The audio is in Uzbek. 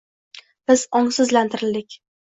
biz ongsizlantirildik.